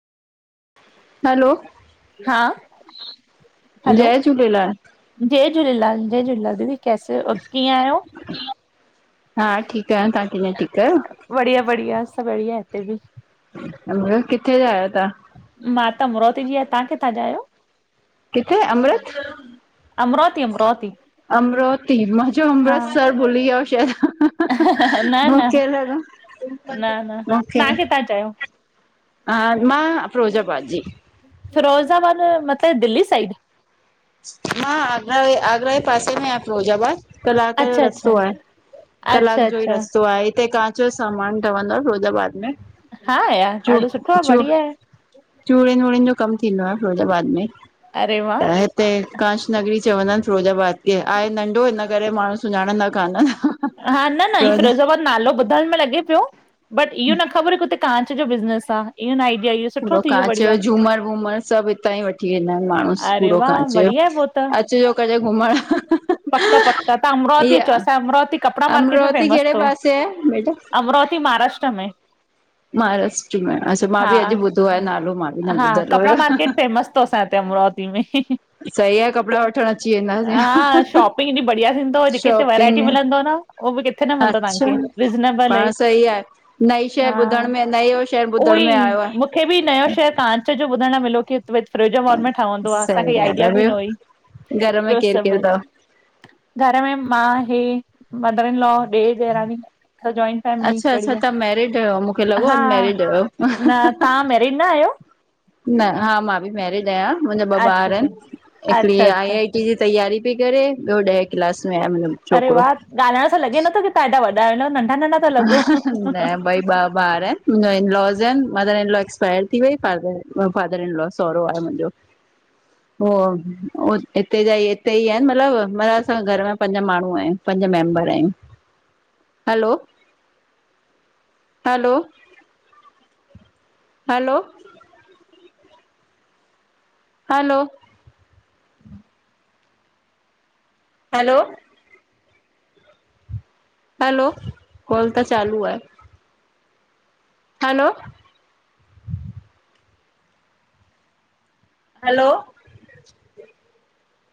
हलो हा, हैलो, जय झूलेलाल। जय झूलेलाल, जय झूलेलाल दीदी कैसे अ, कीअं आहियो? हा ठीकु आहियां, तव्हां कीअं ठीकु आहियो? बढ़िया, बढ़िया, सभु बढ़िया आहे हिते बि भेण, किथे जा आयो तव्हां? मां त अमरावती जी आहियां, तव्हां किथां जा आहियो? किथे अमृत, अमरावती अमरावती अमरावती, मां चयो हा अमृतसर भुली विया आहियो न शायदि न मुखे न न लगो तव्हां किथां जा आहियो? हा, मां फिरोजाबाद जी फिरोज़ाबाद मतलब दिल्ली साइड मा आगरा, आगरा जे पासे में आहे फिरोजाबाद। कलाक जो अच्छा रस्तो अच्छा आहे। कलाक अच्छा जो ई अच्छा रस्तो आहे हिते कां च जो सामान ठवंदो फिरोज़ाबाद में हा यार, ॾाढो सुठो आ, बढ़िया आहे। चूड़ियुनि-वूड़ियुनि जो कमु थींदो आहे, फिरोज़ाबाद में अरे वाह त ते कांच नगरी चवंदा आहिनि फिरोज़ाबाद खे, आहे नंढो हिन करे माण्हू सुञाणंदा कान्ह आहिनि। हा, न, न ही फिरोज़ाबाद बाद नालो ॿुधण में लॻे पियो, बट इहो न ख़बर कि उते कांच जो बिज़नेस आ, इहो न आइड पूरो कांच जो झूमर-वूमर सभु हितां ई वठी वेंदा आहिनि माणू अरे पूरो वाह कांच जो बढ़िया आहे पो त अचिजो कॾहिं घुमण पक, पक, तव्हां अमरावती अचो इहा असांजो अमरावती कपिड़ा मार्केट में अमरावती फेमस कहिड़े अथव पासे आहे बेटा अमरावती महाराष्ट्र में महाराष्ट्र में, अच्छा मां हा बि अॼु ॿुधो आहे नालो, मां बि न हा ॿुधल कपिड़ा हुयो। मार्केट [unintelligible] अमरावती में सही आहे कपिड़ा वठण अची वेंदासीं, हा शॉपिंग एॾी बढ़िया थींदव जेके हिते वैरायटी शॉपिंग मिलंदव न उहो बि किथे न मिलंदो अच्छा, तव्हांखे रिज़नेबल पाण रेट सही आहे, नई शइ हा ॿुधण में नयो शहर ॿुधण में उहोई आयो आहे मूंखे बि नयों शहर कांच जो ॿुधणु लाइ मिलियो कि फिरोज़ाबाद में ठवंदो आ असांखे सही ईहा आइडिया बि ॻाल्हि आहे न हुई, ॿियो घर में ॿियो केरु केरु सभु अथव? घर में मां, हे, मदर इन लॉ, ॾेर, ॾेराणी असां जोइंट अच्छा, अच्छा तव्हां मैरिड आहियो मूंखे लॻो हा अनमैरिड हुयो न तव्हां मैरिड न आहियो न, हा मां बि मेरिड आहियां। मुंहिंजा ॿ अच्छा ॿार अच्छा आहिनि। हिकिड़ी अच्छा आई अच्छा आई टी जी तैयारी थी करे ॿियो ॾह क्लास में आहे मुंहिंजो अरे छोकिरो। वाह ॻाल्हाइण सां लॻे नथो कि तव्हां एॾा वॾा आहियो, न नंढा नंढा था लॻो न ॿई बा ॿार आहिनि, मुंहिंजा इन लॉस आहिनि, मदर इन लॉ एक्सपायर थी वई, father in, father in law सहुरो आहे मुंहिंजो। [inaudible] हो, हो हिते जा ई हिते ई आहिनि मतिलबु, मतिलब असां घर में पंज माण्हू आहियूं, पंज मेंबर आहियूं। Hello hello hello hello hello hello, call त चालू आहे। हलो हलो